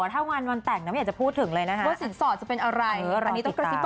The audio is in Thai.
ถ้างานมันแต่ง